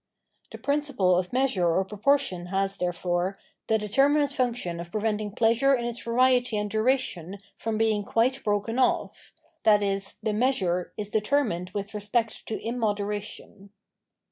The prin ciple of measure or proportion has, therefore, the deter minate function of preventing pleasure in its variety and duration from being quite broken off: i.e. the "measure" is determined with respect to immodera tion.